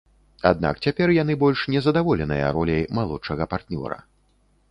Аднак цяпер яны больш не задаволеныя роляй малодшага партнёра.